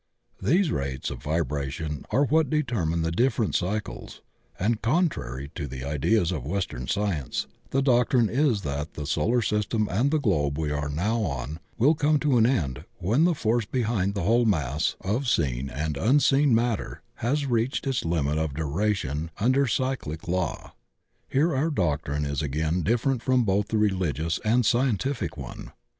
These rates of vibra tion are what determine the different cycles, and, con trary to the ideas of Western science, the doctrine is that the solar system and the globe we are now on will come to an end when the force behind the whole mass of seen and unseen matter has reached its limit of duration imder cyclic law. Here our doctrine is again different from both the religious and scientific one.